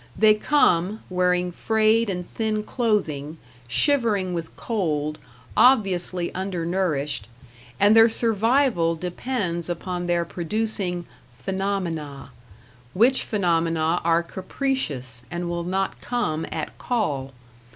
They come, wearing frayed and thin clothing, shivering with cold, obviously undernourished; and their survival depends upon their producing "phenomena" which phenomena are capricious, and will not come at call.